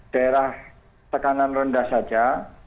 daerah tekanan rendah saja